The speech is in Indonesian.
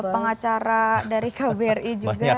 pengacara dari kbri juga